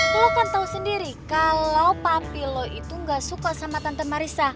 lu kan tau sendiri kalo papi lu itu gak suka sama tante marissa